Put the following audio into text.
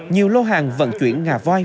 nhiều lô hàng vận chuyển ngà voi